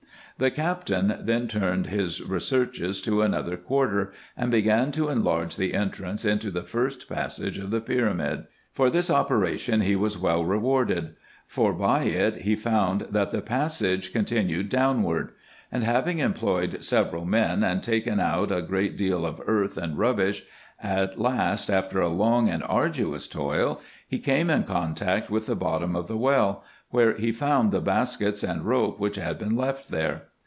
The captain then turned his researches to another quarter, and began to enlarge the entrance into the first passage of the pyramid. For this operation he was well rewarded ; for by it he found, that the passage continued downward ; and having employed several men, and taken out a great deal of earth and rubbish, at last, after a long and arduous toil, he came in contact with the bottom of the well, where he found the baskets and rope which had been left there.